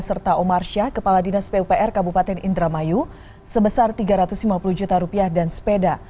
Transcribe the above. serta omar syah kepala dinas pupr kabupaten indramayu sebesar tiga ratus lima puluh juta rupiah dan sepeda